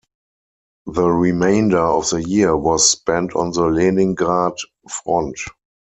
The remainder of the year was spent on the Leningrad front.